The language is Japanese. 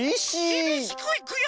きびしくいくよ！